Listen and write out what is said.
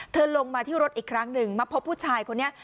ลงมาที่รถอีกครั้งหนึ่งมาพบผู้ชายคนนี้